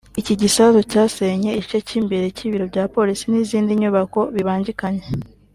Iki gisasu cyasenye igice cy’imbere cy’Ibiro bya Polisi n’izindi nyubako bibangikanye